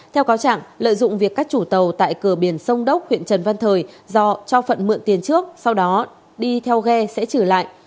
theo cáo trạng lợi dụng việc các chủ tàu tại cửa biển sông đốc huyện trần văn thời do cho phận mượn tiền trước sau đó đi theo ghe sẽ trở lại